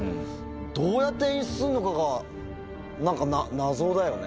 どうやって演出するのかが、なんか謎だよね。